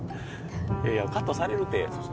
いやいやカットされるって粗品。